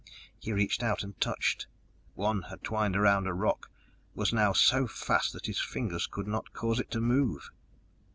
He reached out and touched; one had twined about a rock, was now so fast that his fingers could not cause it to move.